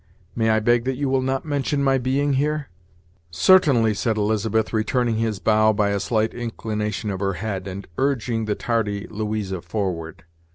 "May I beg that you will not mention my being here?" "Certainly," said Elizabeth, returning his bow by a slight inclination of her head, and urging the tardy Louisa forward.